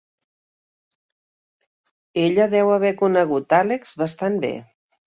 Ella deu haver conegut Alex bastant bé.